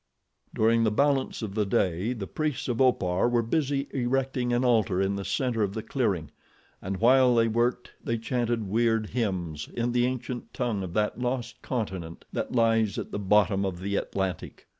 During the balance of the day the priests of Opar were busy erecting an altar in the center of the clearing, and while they worked they chanted weird hymns in the ancient tongue of that lost continent that lies at the bottom of the Atlantic.